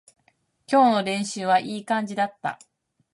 今日の練習はいい感じだった